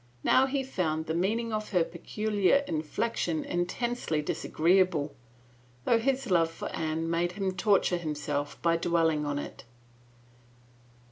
Now he found the meaning of her peculiar inflection intensely disagreeable, though his love for Anne made him torture himself by dwelling on it.